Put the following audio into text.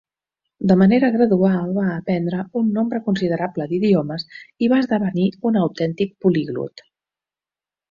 De manera gradual, va aprendre un nombre considerable d'idiomes i va esdevenir un autèntic poliglot.